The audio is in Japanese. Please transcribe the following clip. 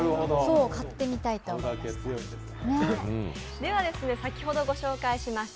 買ってみたいと思いました。